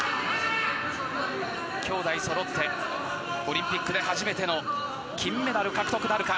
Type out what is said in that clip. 兄妹そろってオリンピックで初めての金メダル獲得なるか。